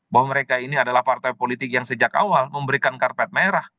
bahwa mereka ini adalah partai politik yang sejak awal memberikan karpet merah